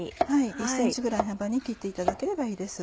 １ｃｍぐらいの幅に切っていただければいいです。